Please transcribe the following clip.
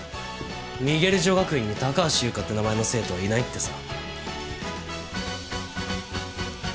ミゲル女学院に高橋優花って名前の生徒はいないってさ。